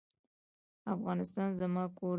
افغانستان زما کور دی.